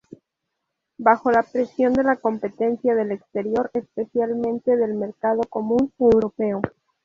Bajo la presión de la competencia del exterior, especialmente del Mercado Común Europeo.